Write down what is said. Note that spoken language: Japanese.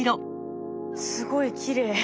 すごいきれい。